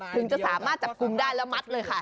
ถึงจะสามารถจับกลุ่มได้แล้วมัดเลยค่ะ